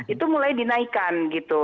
itu mulai dinaikan